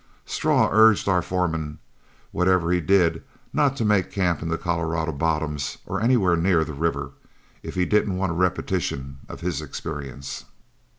Straw urged our foreman, whatever he did, not to make camp in the Colorado bottoms or anywhere near the river, if he didn't want a repetition of his experience.